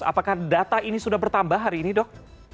apakah data ini sudah bertambah hari ini dok